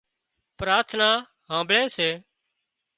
پراٿنا هانمڀۯي سي